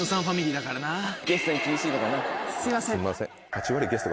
すいません。